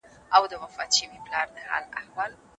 هغه شاګرد چي ډېرې پوښتنې کوي ډېر څه زده کوي.